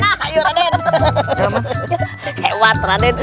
hewat raden lu ngasih makanan